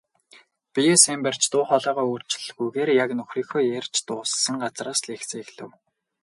Биеэ сайн барьж, дуу хоолойгоо өөрчлөлгүйгээр яг нөхрийнхөө ярьж дууссан газраас лекцээ эхлэв.